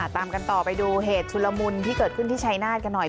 ตามกันต่อไปดูเหตุชุลมุนที่เกิดขึ้นที่ชายนาฏกันหน่อย